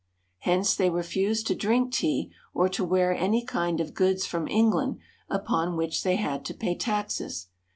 Hence they refused to drink tea, or to wear any kind of goods from England upon which they had to pay taxes.